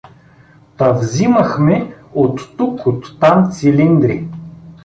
Та взимахме оттук-оттам цилиндри.